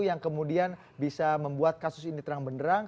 yang kemudian bisa membuat kasus ini terang benderang